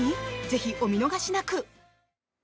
ぜひ、お見逃しくなく！